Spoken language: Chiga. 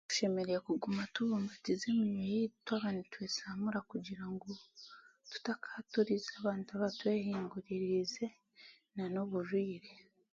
Tushemereire kuguma tubumbatiize eminywa yaitu twaba nitwesyamura kugira ngu tutakaatuririza abantu abatwehinguririize nan'obugwire nan'oburwire